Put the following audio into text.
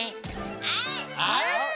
はい！